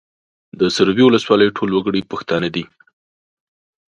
د سروبي ولسوالۍ ټول وګړي پښتانه دي